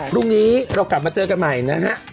พรุ่งนี้เรากลับมาเจอกันใหม่นะฮะ